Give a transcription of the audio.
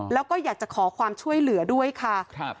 แล้วก็อยากจะขอความช่วยเหลือด้วยค่ะ